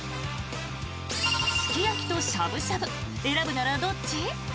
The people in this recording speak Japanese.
すき焼きとしゃぶしゃぶ選ぶならどっち？